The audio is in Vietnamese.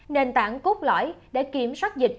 nền tảng cốt lõi để kiểm soát dịch